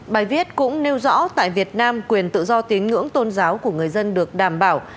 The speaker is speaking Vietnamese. bài viết cũng nêu rõ tại việt nam quyền tự do tín ngưỡng tôn giáo của người dân được đảm bảo